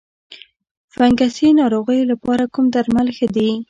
د فنګسي ناروغیو لپاره کوم درمل ښه دي؟